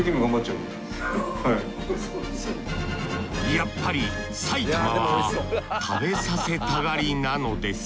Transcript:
やっぱり埼玉は食べさせたがりなのです